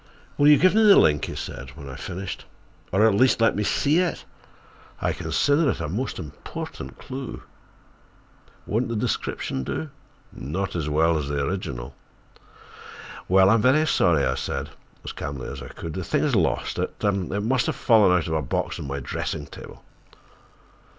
"Will you give me the link," he said, when I finished, "or, at least, let me see it? I consider it a most important clue." "Won't the description do?" "Not as well as the original." "Well, I'm very sorry," I said, as calmly as I could, "I—the thing is lost. It—it must have fallen out of a box on my dressing table."